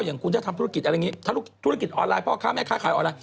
อย่างคุณถ้าทำธุรกิจอะไรอย่างนี้ถ้าธุรกิจออนไลน์พ่อค้าแม่ค้าขายออนไลน